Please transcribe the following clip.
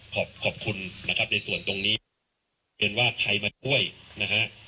ขอบคุณนะครับในส่วนตรงนี้เป็นว่าใครมาช่วยนะฮะ